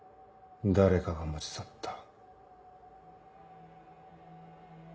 誰かが持ち去った。